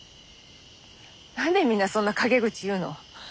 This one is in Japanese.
何でみんなそんな陰口言うの。